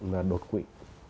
là đột quỵ